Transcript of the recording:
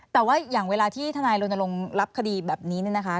แต่ว่าอย่างเวลาที่ทนายรณรงค์รับคดีแบบนี้เนี่ยนะคะ